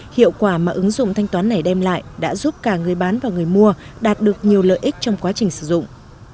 hiệu quả mà ứng dụng thanh toán này đem lại đã giúp cả người bán và người mua đạt được nhiều lợi ích trong quá trình sử dụng